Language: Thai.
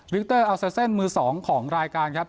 วิกเตอร์อัลเซอร์เซ่นมือ๒ของรายการครับ